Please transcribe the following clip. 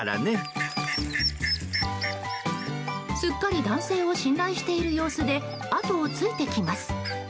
すっかり男性を信頼している様子であとをついてきます。